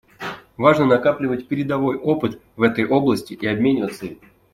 Важно накапливать передовой опыт в этой области и обмениваться им.